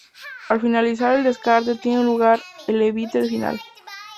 Al finalizar el descarte tiene lugar el envite final.